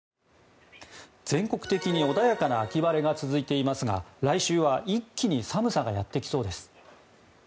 全国的に穏やかな秋晴れが続いていますが来週は一気に寒さがやってきそうです。